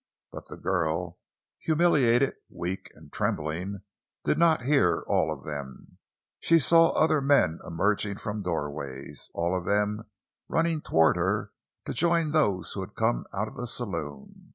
But the girl, humiliated, weak, and trembling, did not hear all of them. She saw other men emerging from doorways—all of them running toward her to join those who had come out of the saloon.